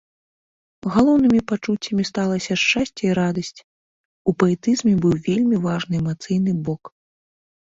Галоўнымі пачуццямі сталася шчасце і радасць, у паэтызме быў вельмі важным эмацыйны бок.